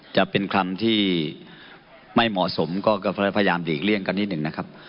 จะเป็นคำที่ไม่เหมาะสมก็พยายามหลีกเลี่ยงกันนิดหนึ่งนะครับ